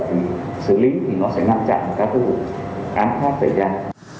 thì xử lý thì nó sẽ ngăn chặn các cơ vụ án pháp tài sản